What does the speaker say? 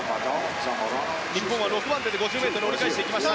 日本は６番手で５０ｍを折り返していきました。